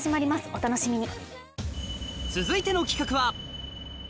お楽しみに。